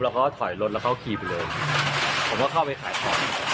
เขาก็ถอยรถแล้วเขาขี่ไปเลยผมก็เข้าไปขายของ